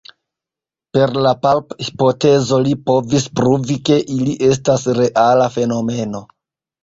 Per la palp-hipotezo li povis pruvi, ke ili estas reala fenomeno.